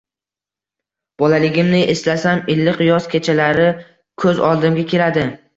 Bolaligimni eslasam, iliq yoz kechalari ko‘z oldimga keladi.